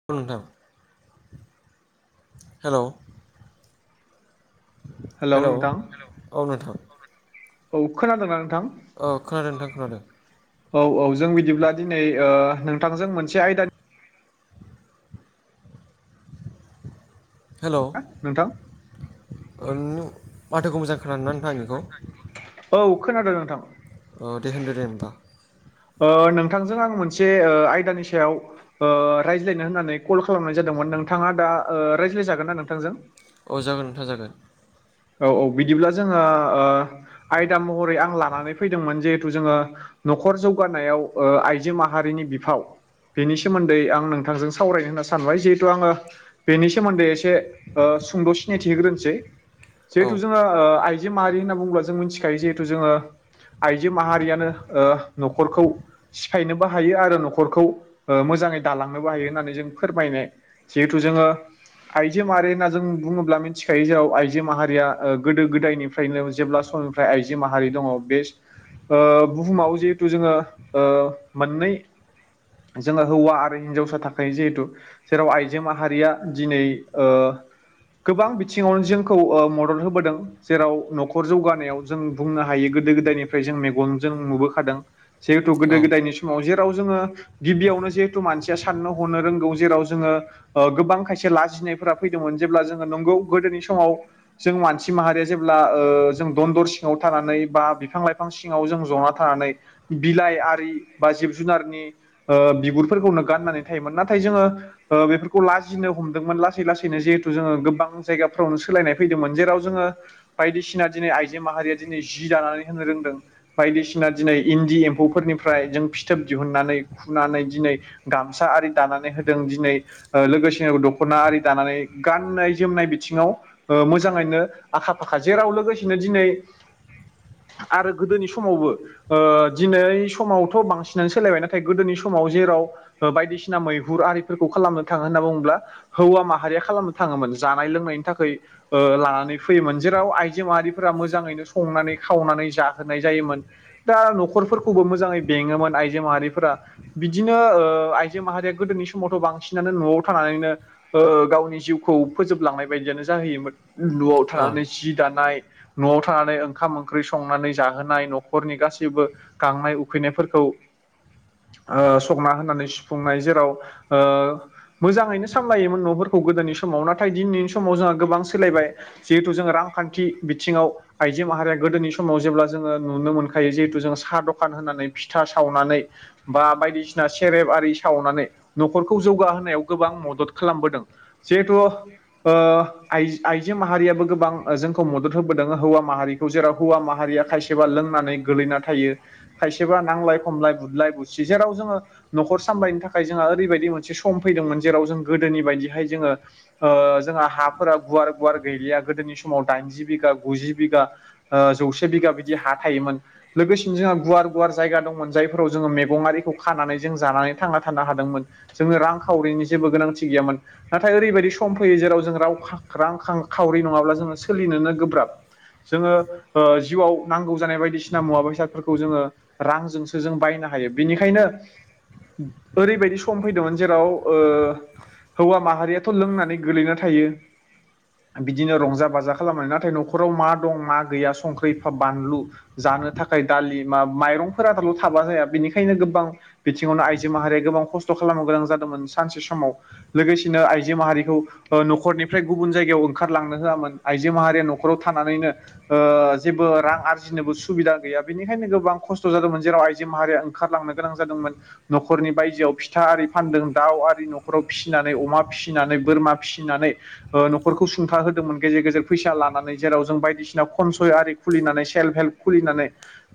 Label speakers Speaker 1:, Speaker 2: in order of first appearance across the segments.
Speaker 1: औ नोंथां hello hello औ नोंथां
Speaker 2: औ खोनादोंना नोंथां?
Speaker 1: औ खोनादों नोंथां खोनादों।
Speaker 2: औ औ जों बिदिब्ला दिनै नोंथांजों मोनसे आयदानि
Speaker 1: हेलौ
Speaker 2: नोंथां
Speaker 1: नों माथोखौ मोजां खोनादोंना नोंथां आंनिखौ
Speaker 2: औ खोनादों नोंथां
Speaker 1: अ दे होनदो दे होनबा
Speaker 2: नोंथांजों आं मोनसे आयदानि सायाव रायज्लायनो होननानै कल खालामनाय जादोंमोन नोंथांङा दा रायज्लाय जागोन ना नोंथांजों
Speaker 1: औ जागोन नोंथा जागोन
Speaker 2: औ औ बिदिब्ला जोंङो आयदा महरै आं लानानै फैदोंमोन जिहेथु जोंङो न'खर जौगानायाव आइजो माहारिनि बिफाव बेनि सोमोन्दै आं नोंथांजों सावरायनो होनना सानबाय जिहेथु आंङो बेनि सोमोन्दै एसे सुंद' सिनायथि होग्रोनोसै
Speaker 1: औ
Speaker 2: जिहेथु जोंङो आइजो माहारि होनना बुंङोब्ला जों मिथिखायो जिहेथु जोंङो आइजो माहारियानो न'खरखौ नोबो हायो आरो न'खरखौ मोजांङै दालांनोबो हायो होननानै जों फोरमायनाय जिहेथु जोंङो आइजो माहारि होनना जों बुंङोब्ला मिथिखायो जेराव आइजो माहारि या गोदो गोदायनिफ्रायनो जेब्ला समनिफ्राय आइजो माहारि दंङो बे बुहुमाव जिहेथु जोंङो मोननै जोंङो हौवा आरो हिनजावसाथाखायो जिहेथु जेराव आइजो माहारिया दिनै गोबां बिथिङावनो जोंखौ मदद होबोदों जेराव न'खर जौगानायाव जों बुंनो हायो गोदो गोदायनिफ्राय जों मेगनजों नुबो खोनादों जिहेथु गोदो
Speaker 1: औ
Speaker 2: गोदायनि समाव जेराव जोंङो गिबियावनो जहेतु मानसिया साननो हनो रोंगौ जेराव जोंङो गोबां खायसे लाजिनायफोरा फैदोंमोन जेब्ला जोंङो नंगौ गोदोनि समाव जों मानसि माहारिया जेब्ला जों दनदर सिङांव थानानै बा बिफां लाइफां सिङांव जों जना थानानै बिलाइ आरि बा जिब जुनारनि बिगुरफोरखौनो गाननानै थायोमोन नाथाय जोंङो बेफोरखौ लाजिनो हमदोंमोन लासै लासैनो जिहेथु जोंङो गोबां जायगाफ्रावनो सोलायनाय फैदोंमोन जेराव जोंङो बायदिसिना दिनै आइजो माहारिया दिनै जि दानानै होनो रोंदों। बायदिसिना दिनै इन्दि एम्फौफोरनिफ्राय जों फिथोब दिहुननानै खुनानै दिनै गामसा आरि दानानै होदों दिनै लोगोसे दख'ना आरि दानानै गाननाय जोमनाय बिथिङाव मोजाङैनो आखा फाखा जेराव लोगोसेनो दिनै आरो गोदोनि समावबो ओ दिनै समावथ' बांसिनानो सोलायबाय नाथाय गोदोनि समाव जेराव बायदिसिना मैहुर आरिफोरखौ खालामनो थाङो होनना बुङोब्ला हौवा माहारिया खालामनो थाङोमोन जानाय लोंनायनि थाखाय ओ लानानै फैयोमोन जेराव आइजो माहारिफोरा मोजाङैनो संनानै खावनानै जाहोनाय जायोमोन। दा न'खरफोरखौबो मोजाङै बेङोमोन आइजो माहारिफोरा बिदिनो ओ आइजो माहारिया गोदोनि समावथ' बांसिनानो न'आव थानानैनो ओ गावनि जिउखौ फोजोबलांनाय बायदियानो जाहोयोमोन न'आव
Speaker 1: औ
Speaker 2: थानानै जि दानाय न'आव थानानै ओंखाम ओंख्रि संनानै जाहोनाय न'खरनि गासैबो गांनाय उखैनायफोरखौ ओ संना होननानै सुफुंनाय जेराव ओ मोजाङैनो सामलायोमोन न'फोरखौ गोदोनि समाव नाथाय दिनैनि समाव जोंहा गोबां सोलायबाय जिहेथु जोंङो रांखान्थि बिथिङाव आइजो माहारिया गोदोनि समाव जेब्ला जोङो नुनो मोनखायो जिहेतु जों साहा दखान होनानै फिथा सावनानै बा बायदिसिना सेरेब आरि सावनानै न'खरखौ जौगाहोनायाव गोबां मदद खालामबोदों। जिहेथु ओ आइजो माहारियाबो गोबां जोंखौ मदद होबोदों हौवा माहारिखौ जेराव हौवा माहारिया खायसे खायसेबा लोंनानै गोलैना थायो, खायसेबा नांलाय खमलाय बुदलाय बुसि जेराव जोङो न'खर सामलायनो थाखाय जोंहा ओरैबायदि मोनसे सम फैदोंमोन जेराव जों गोदोनि बायदिहाय जोङो ओ जोंहा हाफोरा गुवार गुवार गैलिया गोदोनि समाव दाइनजि बिगा, गुजि बिगा ओ जौसे बिगा बिदि हा थायोमोन। लोगोसेनो जोंहा गुवार गुवार जायगा दंमोन जायफोराव जोङो मेगं आरिखौ खानानै जों जानानै थांना थानो हादोंमोन। जोङो रांखावरिनि जेबो गोनांथि गैयामोन नाथाय ओरैबायदि सम फैयो जेराव जों रावखा रां खां खावरि नङाब्ला जोङो सोलिनोनो गोब्राब जोङो ओ जिउआव नांगौ जानाय बायदिसिना मुवा बेसादफोरखौ जोङो रांजोंसो जों बायनो हायो बेनिखायनो ओरैबायदि सम फैदोंमोन जेराव ओ हौवा माहारियाथ' लोंनानै गोलैना थायो। बिदिनो रंजा बाजा खालामनानै नाथाय न'खराव मा दं मा गैया संख्रि बानलु जानो थाखाय दालि मा माइरंफोरा दाल' थाबा जाया बेनिखायनो गोबां बिथिङावनो आइजो माहारिया गोबां खस्थ' खालामनो गोनां जादोंमोन सानसे समाव लोगोसेनो आइजो माहारिखौ ओ न'खरनि फ्राय गुबुन जायगायाव ओंखारलांनो होआमोन आइजो माहारिया न'खराव थानानैनो ओ जेबो रां आरजिनोबो सुबिदा गैया बेनिखायनो गोबां खस्थ' जादोंमोन जेराव आइजो माहारिया ओंखारलांनो गोनां जादोंमोन। न'खरनि बायजोआव फिथा आरि फानदों दाउ आरि न'खराव फिसिनानै अमा फिसिनानै बोरमा फिसिनानै ओ न'खरखौ सुंथा होदोंमोन गेजेर गेजेर फैसा लानानै जेराव जों बायदिसिना खनसय आरि खुलिनानै सेल्फ हेल्प खुलिनानै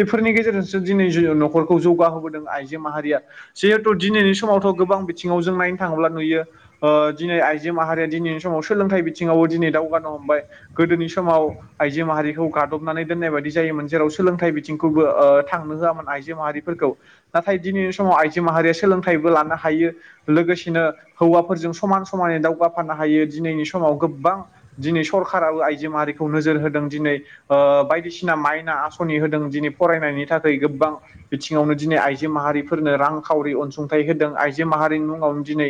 Speaker 2: बेफोरनि गेजेरजोंसो दिनै न'खरखौ जौगाहोबोदों आइजो माहारिया जिहेतु दिनैनि समावथ' गोबां बिथिङाव जों नायनो थाङोब्ला नुयो ओ दिनै आइजो माहारिया दिनैनि समाव सोलोंथाइ बिथिङावबो दिनै दावगानो हमबाय। गोदोनि समाव आइजो माहारिखौ गाद'बनानै दोननाय बायदि जायोमोन जेराव सोलोंथाइ बिथिंखौबो ओ थांनो होआमोन आइजो माहारिफोरखौ। नाथाय दिनैनि समाव आइजो माहारिया सोलोंथाइबो लानो हायो। लोगोसेनो हौवाफोरजों समान समानै दावगाफानो हायो दिनैनि समाव गोबां दिनै सरखाराबो आइजो माहारिखौ नोजोर होदों दिनै। ओ बायदिसिना माइना आसनि होदों दिनै फरायनायनि थाखै गोबां बिथिङावनो दिनै आइजो माहारिफोरनो रांखावरि अनसुंथाइ होदों आइजो माहारिनि मुङावनो दिनै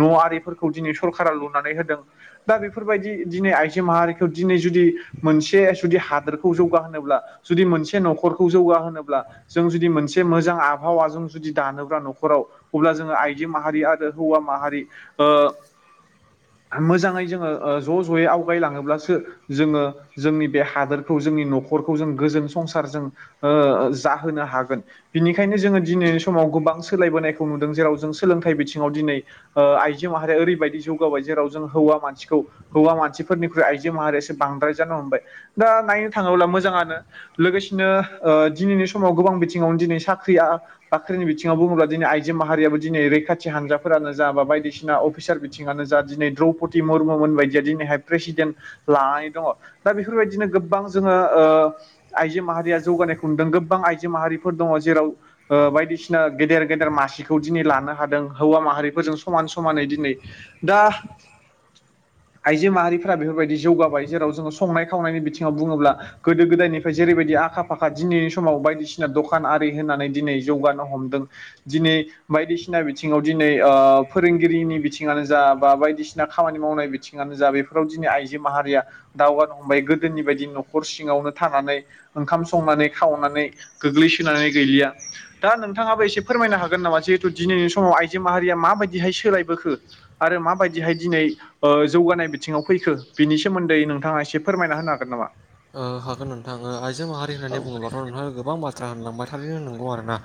Speaker 2: न' आरिफोरखौ दिनै सरखारा लुनानै होदों दा बेफोरबायदि दिनै आइजो माहारिखौ दिनै जुदि मोनसे जुदि हादोरखौ जौगाहोनोब्ला जुदि मोनसे न'खरखौ जौगाहोनोब्ला जों जुदि मोनसे मोजां आबहावा जों जुदि दानोब्ला न'खराव अब्ला जोङो आइजो माहारि आरो हौवा माहारि ओ मोजाङै जोङो ओ ज' ज'यै आवगायलाङोब्लासो जोङो जोंनि बे हादोरखौ जोंनि न'खरखौ जों गोजोन संसार जों ओ जाहोनो हागोन बिनिखायनो जोङो दिनैनि समाव गोबां सोलायबोनायखौ नुदों जेराव जों सोलोंथाइ बिथिङाव दिनै ओ आइजो माहारिया ओरैबायदि जौगाबाय जेराव जों हौवा मानसिखौ हौवा मानसिफोरनिख्रुइ आइजो माहारियासो बांद्राय जानो हमबाय दा नायनो थाङोब्ला मोजाङानो लोगोसेनो ओ दिनैनि समाव गोबां बिथिङावनो दिनै साख्रिया बाख्रिनि बिथिङाव बुङोब्ला दिनै आइजो माहारियाबो दिनै रैखाथि हानजाफोरानो जा बा बायदिसिना अफिसार बि थिङानो जा दिनै द्रौपदि मुर्मु मोन बायदिया दिनैहाय प्रेसिडेन्ट लानानै दङ दा बेफोरबायदिनो गोबां जोङो ओ आइजो माहारिया जौगानायखौ नुदों गोबां आइजो माहारिफोर दङ जेराव ओ बायदिसिना गेदेर गेदेर मासिखौ दिनै लानो हादों हौवा माहारिफोरजों समान समानै दिनै दा आइजो माहारिफोरा बेफोरबायदि जौगाबाय जेराव जोङो संनाय खावनायनि बिथिङाव बुङोब्ला गोदो गोदायनिफ्राय जेरैबायदि आखा फाखा दिनैनि समाव बायदिसिना दखान आरि होनानै दिनै जौगानो हमदों दिनै बायदिसिना बिथिङाव दिनै ओ फोरोंगिरिनि बिथिङानो जा बा बायदिसि ना खामानि मावनाय बिथिङानो जा बेफोराव दिनै आइजो माहारिया दावगानो हमबाय गोदोनि बायदि न'खर सिङावनो थानानै ओंखाम संनानै खावनानै गोग्लैसोनानै गैलिया दा नोंथाङाबो एसे फोरमायनो हागोन नामा जिहेतु दिनैनि समाव आइजो माहारिया माबायदिहाय सोलायबोखो आरो माबाय दिहाय दिनै ओ जौगानाय बिथिङाव फैखो बिनि सोमोन्दै नोंथाङा एसे फोरमायना होनो हागोन नामा
Speaker 1: ओ हागोन नोंथां ओ आइजो माहारि
Speaker 2: औ
Speaker 1: होननानै बुङोब्लाथ नोंथाङा गोबां बाथ्रा होनलांबाय थारैनो नंगौ आरोना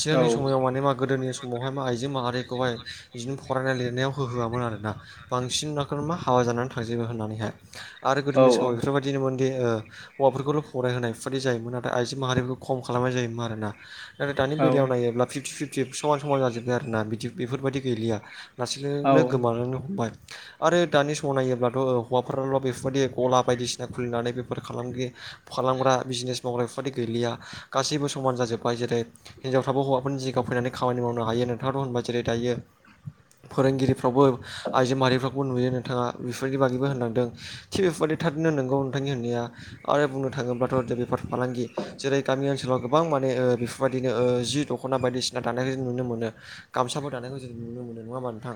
Speaker 1: सिगांनि समायाव माने मा गोदोनि सम समावहाय मा आइजो माहारिखौहाय बिदिनो फरायनाय लिरनायाव होहोआमोन आरोना बांसिन माखौनो मा हाबा जानानै थांजोबो होननानैहाय आरो
Speaker 2: औ
Speaker 1: गोदोनि समाव बेफोरबादिनोमोन बिदि हौवाफोरखौल फरायहोनाय बेफोरायदि जायोमोन नाथाय आइजो माहारिफोरखौ खम खालामनाय जायोमोन आरोना आरो दानि
Speaker 2: औ
Speaker 1: बेलायाव नायोब्ला फिफ्टि फिफ्टि समान समान जाजोब्बाय आरोना बिदि बेफोरबायदि गैलिया
Speaker 2: औ
Speaker 1: लासैनो गोमालांनो हमबाय आरो दानि समनायोब्लाथ हौवाफोराल बेफोरबायदि गला बायदिसिना खुलिनानै बेफार खालामगि खालामग्रा बिजनेस मावग्रा बेफोरबायदि गैलिया गासैबो समान जाजोब्बाय जेरै हिनजावफ्राबो हौवाफोरनि जायगायाव फैनानै खामानि मावफैनो हायो नोंथाङाथ होनबाय जेरै दायो फोरोंगिरिफ्रावबो आइजो माहारिफ्राखौ नुयो नोंथाङा बेफोरबायदि बागैबो होनलांदों थिग बेफोरबायदि थारैनो नंगौ फालांगि होननाया आरो बुंनो थाङोब्लाथ जे बेफार फालांगि जेरै गामि ओनसोलाव गोबां माने ओ बेफोरबायदिनो ओ जि दख'ना बायदिसिना दानायखौ जों नुनो मोनो गामसाफोर दानायखौ जों नुनो मोनो नङा होमबा नोंथां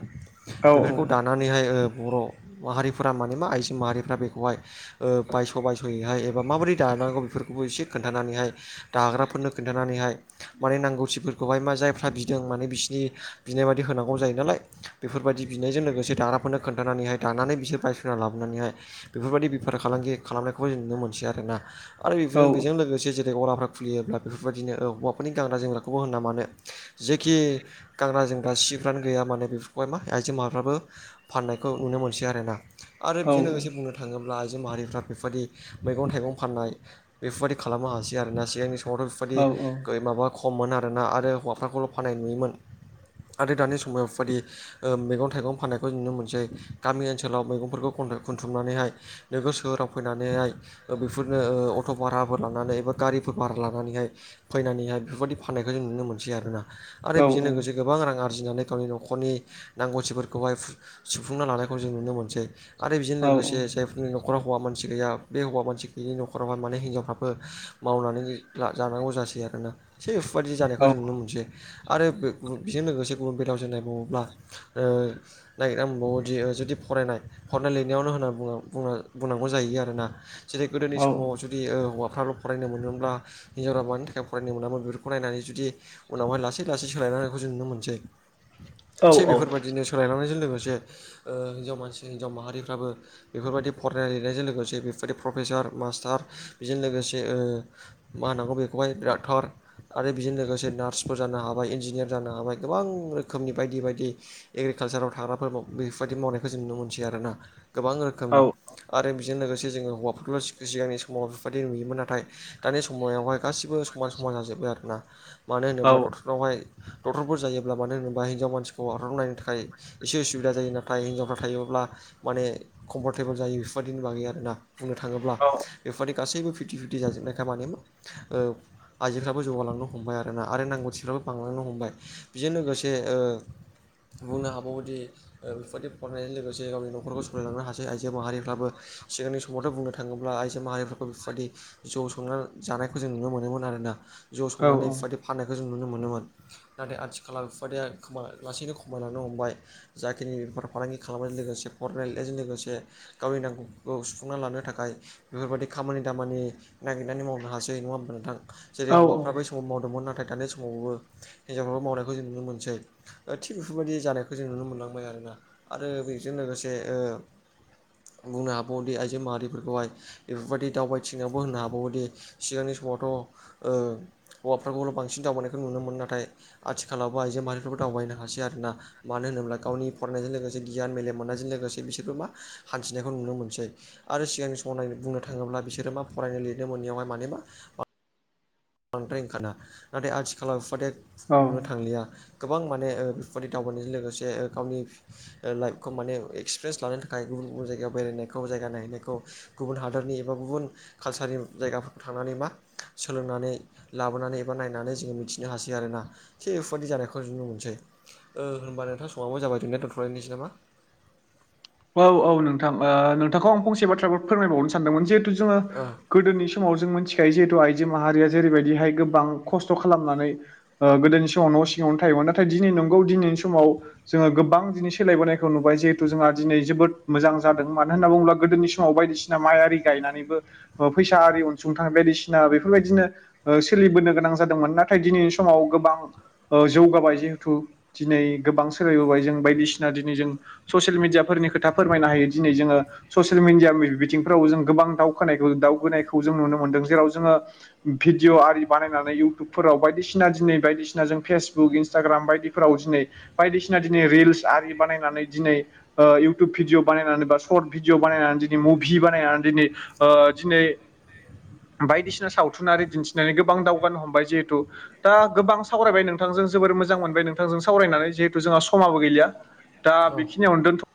Speaker 2: औ
Speaker 1: बेफोरखौ दानानैहाय ओ बर' माहारिफोरा माने मा आइजो माहारिफ्रा बेखौहाय ओ बायस बायसयैहाय एबा माबोरै दानांगौ बेफोरखौबो एसे खोन्थानानैहाय दाग्राफोरनो खोन्थानानैहाय माने नांगौथिफोर खौहाय मा जायफ्रा बिदों माने बिसिनि बिनाय बायदि होनांगौ जायो नालाय बेफोरबायदि बिनायजों लोगोसे दाना खौनो खोनथानानैहाय दानानै बिसोर बायसना लाबोनानैहाय बेफोरबायदि बेफार फालांगि खालामनायखौबो जों नुनो मोनसै आरोना आरो
Speaker 2: औ
Speaker 1: बेनो बेजों लोगोसे जों फ्रा खुलियोब्ला बेफोरबायदिनो हौवाफोरनि गानग्रा जोमग्राखौबो होना मानो जेखि गानग्रा जोमग्रा सिफ्रानो गैया माने बेफोरखौहाय मा आइजो माफ्राबो फाननायखौ नुनो मोनसै आरोना आरो
Speaker 2: औ
Speaker 1: बेजों लोगोसे बुंनो थाङोब्ला ब्ला आइजो माहारिफ्रा बेफोरबायदि मैगं थाइगं फाननाय बेफोरबायदि खालामनो हासै आरोना सिगांनि समावथ'
Speaker 2: औ औ
Speaker 1: बेफोरबायदि माबा खममोन आरोना आरो हौवाफोरखौल' फाननाय नुयोमोन आरो दानि समाव बेफोरबायदि मैगं थाइगं फाननायखौ नुनो मोनसै गामि ओनसोलाव मैगंफोरखौ खुथुमनानैहाय नोगोर सोहोराव फैनानैहाय बेफोरनो अट' भाराफोर लानानै एबा गारिफोर भारा लानानैहाय फैनानैहाय बेफोरबायदि फाननायखौ जों नुनो मोनसै आरोना
Speaker 2: औ
Speaker 1: आरो
Speaker 2: औ
Speaker 1: बेजों लोगोसे गोबां रां आरजिनानै गावनि न'ख नखरनि नांगौथि फोरखौहाय सुफुंना लानायखौ जों नुनो मोनसै आरो बेजों लोगोसे जाय नि न'खराव हौवा मानसि गैया बे हौवा मानसि गैयिनि नखरावहाय माने हिनजावफ्राबो मावनानै जानांगौ जासै आरोना थिग बेफोरबायदि जानायखौ जों नुनो मोनसै आरो बेजों लोगोसे गुबुन बेलायाव जों नायबावोब्ला ओ नायगिरना मोनबावोदि जुदि फरायनाय फरायनाय लिरनायावनो होनना बुङो बुंनांगौ जाहोयो आरोना जेरै गोदोनि समाव
Speaker 2: औ
Speaker 1: जुदि जुदि हौवाफ्राल' फरायनो मोनोमोनब्ला हिन्जाफोरा मानि थाखाय फरायनो मोनामोन बेफोरखौ नायनानै जुदि उनावहाय लासै लासै सोलायनायखौ जों नुनो मोनसै थिग बेफोरबायदिनो सोलायलांनायजों लोगोसे हिनजाव मानसि हिनजाव माहारिफ्राबो बेफोरबायदि फरायनाय लिरनायजों लोगोसे बेफोरबायदि प्रफेसार मास्टार बेजों लोगोसे मा होनांगौ बेखौहाय डाखथार आरो बेजों लोगोसे नार्सफोर जानो हाबाय इन्जिनियार जानो हाबाय गोबां रोखोमनि बायदि बायदि एग्रिकालसाराव थाग्राफोर बेफोरबायदि मावनायखौ जों नुनो मोनसै आरोना गोबां रोखोमनि आरो बेजों लोगोसे जोङो हौवाफोरखौल' [unintelligible] सिगांनि समाव बेफोरबायदि नुयोमोन नाथाय दानि समावहाय गासिबो समान समान जाजोब्बाय आरो ना मानो होनोब्लाथ' बेवहाय डक्टरफोर जायोब्ला मानो होनोबा हिनजाव मानसिखौ आरबलनायनायनि [unintelligible] थाखाय एसे उसुबिदा जायो नाथाय हिनजावफ्रा थायोब्ला माने कम्फर्टेबोल जायो बेफोरबायदिनि बागै आरोना बुंनो
Speaker 2: औ
Speaker 1: थाङोब्ला बेफोरनि गासैबो फिफ्टि फिफ्टि जाजोबनाय खामानि आइजोेफ्राबो जौगालांनो हमबाय आरो ना आरो नांगौथिफ्राबो बांलांनो हमबाय बेजों लोगोसे बुंनो हाबावोदि बेफोरबायदि फरायनायजों लोगोसे गावनि नखरखौ सोलिलांनो हासै आइजो माहारिफ्राबो सिगांनि समाव [unintelligible] समावथ' बुंनो थाङोब्ला आइजो माहारिफोरखौ बेफोरबायदि जौ संनानै जानायखौ जों नुनो मोनोमोन आरोना जौ संनानै बेफोरबायदि फाननायखौ जों नुनो मोनोमोन नाथाय आथिखालाव बिफोरबादिया खा [unintelligible] लासैनो खमायलांनो हमबाय जाखिनि बेफार फालांगि खालामनायजों लोगोसे फरायनाय लिरनायजों लोगोसे गावनि नांगौखौ सुफुंना लानो थाखाय बेफोरबायदि खामानि दामानि नागिरनानै मावनो हासै नङा होमब्ला नोंथां जेरै
Speaker 2: औ
Speaker 1: हौवाफ्राबो समाव मावदोंमोन नाथाय दानि समावबो हिनजावफोरखौ मावनायखौ जों नुनो मोनसै थिग बेफोरबायदि जानायखौ जों नुनो मोनलांबाय आरोना आरो बेजों लोगोसे बुंनो हाबावोदि आइजो माहारिफोरखौहाय बेफोरबायदि दावबायथिंनायावबो होननो हाबावोदि सिगांनि समावथ' हौवाफोरखौल' बांसिन दावबायनायखौ नुनो मोनो नाथाय आथिखालावबो आइजो माहारिफोरबो दावबायनो हासै आरोना मानो होनोब्ला गावनि फरायनायजों लोगोसे गियान मेलेम मोननायजों लोगोसे बिसोरबो मा हान्थिनायखौ नुनो मोनसै आरो सिगांनि समनाय बुंनो थाङोब्ला बिसोरो मा फरायनो लिरनो मोनैयावहाय माने मा बांद्राय ओंखारा नाथाय आथिखालाव बे [unintelligible]
Speaker 2: औ
Speaker 1: नु थांलिया गोबां माने बेफोरबायदि दावबायनायजों लोगोसे गावनि लाइफखौ माने एक्सपिरियेन्स लानो थाखाय गुबुन गुबुन जायगायाव बेरायनायखौ जायगा नायहैनायखौ गुबुन हादोरनि एबा गुबुन कालसारनि जायगाफोरखौ थांनानै मा सोलोंनानै लाबोनानै एबा नायनानै जोङो मिथिनो हासै आरोना थिग बेफोरबायदि जानायखौ नुनो मोनसै ओ होनबा नोंथां समाबो जाबाय जोंनिया दोनथ'लायनोसै नामा
Speaker 2: औ औ नोंथां ओ नोंथांखौ आं फंसे बाथ्राफोर फोरमायबावनो सानदोंमोन जिहेथु जोङो
Speaker 1: औ
Speaker 2: गोदोनि समाव जों मिथिखायो जिहेथु आइजो माहारिया जेरैबायदिहाय गोबां खस्थ' खालामनानै ओ गोदोनि समाव न' सिङावनो थायोमोन नाथाय दिनै नंगौ दिनैनि समाव जोङो गोबां दिनै सोलायबोनखौ नुबाय जिहेथु जोंहा दिनै जोबोद मोजां जादों मानो होनना बुङोब्ला गोदोनि समाव बायदिसिना माइ आरि गायनानैबो फैसा आरि अनसुंथाइ बायदिसिना बेफोरबायदिनो सोलिबोनो गोनां जादोंमोन नाथाय दिनैनि समाव गोबां जौगाबाय जिहेथु दिनै गोबां सोलायबोबाय जों बायदिसिना दिनै जों ससियेल मिडिया फोरनि खोथा फोरमायनो हायो दिनै जोङो ससियेल मिडिया बिथिंफोराव जों गोबां दावखानायखौ दावगोनायखौ जों नुनो मोनदों। जेराव जोङो भिदिअ आरि बानायनानै इउटुबफोराव बायदिसिना दिनै बायदिसिना जों फेसबुक इनस्टाग्राम बायदि फोराव दिनै बायदिसिना दिनै रिल्स आरि बानायनानै दिनै इउटुब भिडिअ बानायनानै बा सर्ट भिडिअ बानायनानै दिनै मुभि बानायनानै दिनै ओ दिनै बायदिसिना सावथुनारि दिन्थिनानै गोबां दावगानो हमबाय जिहेथु दा गोबां सावरायबाय नोंथांजों जोबोर मोजां मोनबाय नोंथांजों सावरायनानै जिहेथु जोंहा समाबो गैलिया दा
Speaker 1: औ
Speaker 2: बेखिनियावनो दोनथ'